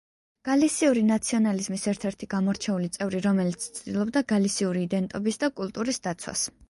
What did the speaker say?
გალისიური ნაციონალიზმის ერთ-ერთი გამორჩეული წევრი რომელიც ცდილობდა გალისიური იდენტობის და კულტურის დაცვას.